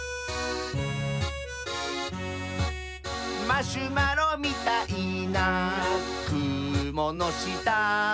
「マシュマロみたいなくものした」